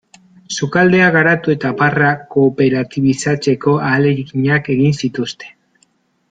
Sukaldea garatu eta barra kooperatibizatzeko ahaleginak egin zituzten.